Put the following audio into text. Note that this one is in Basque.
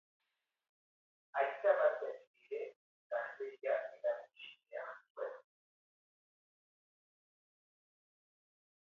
Aita batek ere larderia erakutsi behar zuen.